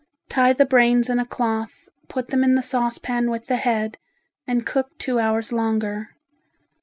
Tie the brains in a cloth, put them in the saucepan with the head and cook two hours longer.